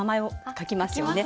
書きますね。